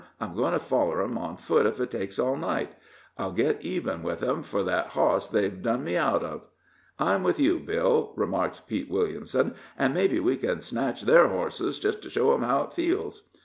"I'm goin' to foller 'em on foot, if it takes all night; I'll get even with em for that hoss they've done me out of." "I'm with you, Bill," remarked Pete Williamson, "an' mebbe we can snatch their hosses, just to show'em how it feels."